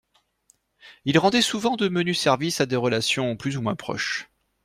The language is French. Il rendait souvent de menus services à des relations plus ou moins proches.